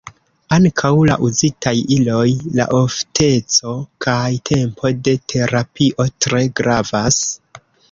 Ankaŭ la uzitaj iloj, la ofteco kaj tempo de terapio tre gravas.